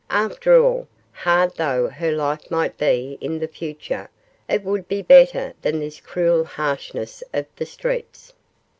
After all, hard though her life might be in the future, it would be better than this cruel harshness of the streets.